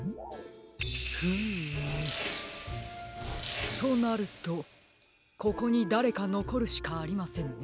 フームとなるとここにだれかのこるしかありませんね。